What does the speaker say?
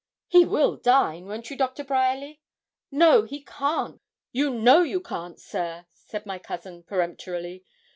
'He will dine. Won't you, Doctor Bryerly?' 'No; he can't. You know you can't, sir,' said my cousin, peremptorily.